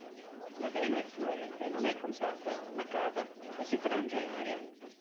La vena effluente non è compatta ma cava e si frange in aria.